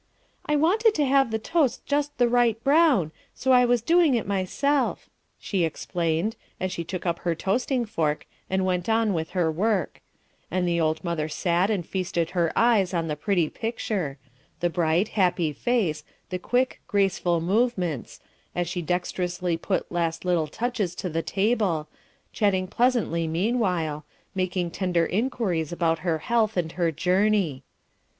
"I wanted to have the toast just the right brown, so I was doing it myself," she explained, as she took up her toasting fork and went on with her work, and the old mother sat and feasted her eyes on the pretty picture the bright, happy face, the quick, graceful movements, as she dexterously put last little touches to the table, chatting pleasantly meanwhile, making tender inquiries about her health and her journey.